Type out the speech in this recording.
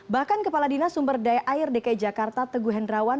bahkan kepala dinas sumber daya air dki jakarta teguhendrawan